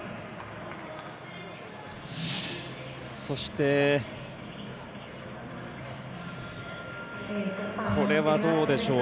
そしてこれはどうでしょう。